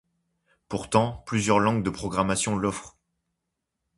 Pourtant, plusieurs langages de programmation l'offrent.